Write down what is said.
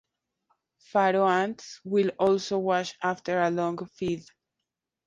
Pharaoh ants will also wash after a long feed.